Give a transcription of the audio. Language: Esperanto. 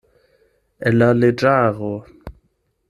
El la leĝaro.